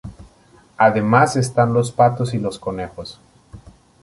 Además están los patos y los conejos.